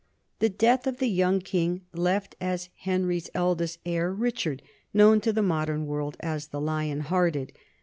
The death of the Young King left as Henry's eldest heir Richard, known to the modern world as the Lion Hearted.